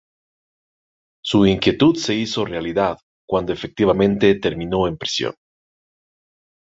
Su inquietud se hizo realidad cuando efectivamente terminó en prisión.